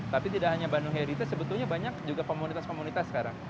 tapi tidak hanya bandung heritage sebetulnya banyak juga komunitas komunitas sekarang